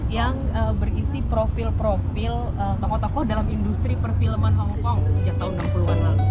yang berisi profil profil tokoh tokoh dalam industri perfilman hongkong sejak tahun enam puluh an lalu